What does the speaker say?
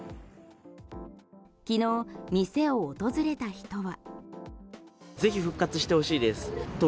昨日店を訪れた人は。